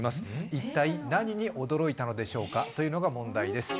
一体何に驚いたのでしょうかというのが問題です